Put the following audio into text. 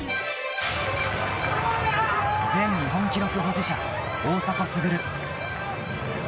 前日本記録保持者、大迫傑。